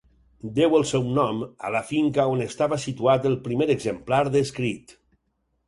Deu el seu nom a la finca on estava situat el primer exemplar descrit.